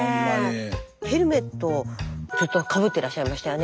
ヘルメットをずっとかぶってらっしゃいましたよね。